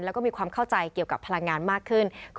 แล้วก็มีความเข้าใจเกี่ยวกับพลังงานมากขึ้น